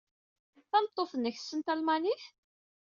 Tameṭṭut-nnek tessen talmanit?